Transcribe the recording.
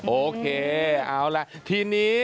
โอเคทีนี้